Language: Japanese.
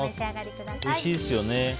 おいしいですよね。